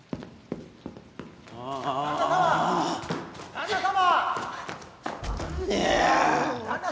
・旦那様！